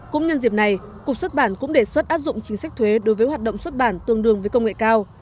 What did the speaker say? cũng nhân dịp này cục xuất bản cũng đề xuất áp dụng chính sách thuế đối với hoạt động xuất bản tương đương với công nghệ cao